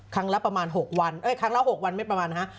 ครั้งละประมาณ๖วันครั้งละ๖วันไม่ประมาณฮะ